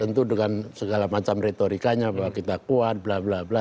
tentu dengan segala macam retorikanya bahwa kita kuat bla bla bla